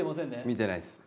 見てないです